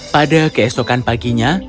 pada keesokan paginya